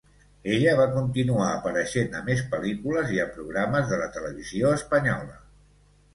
Ella va continuar apareixent a més pel·lícules i a programes de la televisió espanyola.